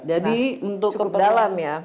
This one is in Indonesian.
nah cukup dalam ya